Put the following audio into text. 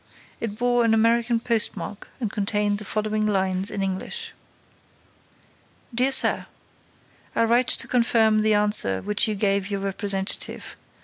It bore an American postmark and contained the following lines, in English: DEAR SIR: I write to confirm the answer which I gave your representative.